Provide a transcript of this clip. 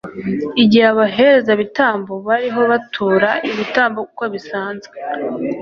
igihe abaherezabitambo bariho batura ibitambo uko bisanzwe